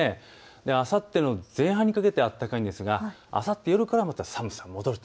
あさっての前半にかけて暖かいんですが、あさって夜からまた寒さが戻ると。